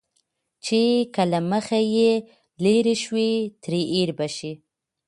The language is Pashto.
چې که له مخه يې لرې شوې، ترې هېر به شې.